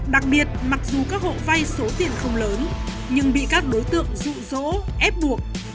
đặc biệt mặc dù các hộ vay số tiền không lớn nhưng bị các đối tượng rụ rỗ ép buộc